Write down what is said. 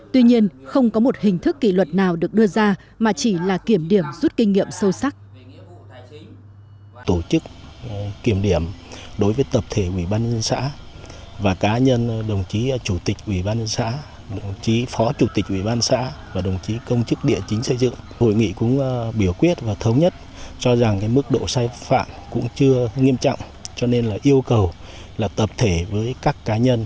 tuy nhiên không có một hình thức kỷ luật nào được đưa ra mà chỉ là kiểm điểm rút kinh nghiệm sâu sắc